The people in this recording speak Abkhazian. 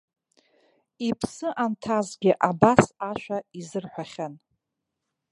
Иԥсы анҭазгьы абас ашәа изырҳәахьан.